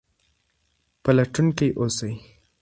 پلټونکي اوسئ.